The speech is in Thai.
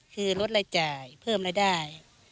คือลดรายจ่ายเพิ่มรายได้